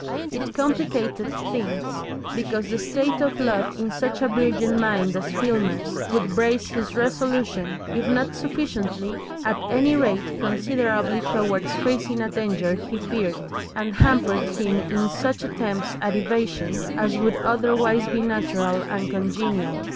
It complicated things, because the state of love in such a virgin mind as Filmer's would brace his resolution, if not sufficiently, at any rate considerably towards facing a danger he feared, and hampered him in such attempts at evasion as would otherwise be natural and congenial.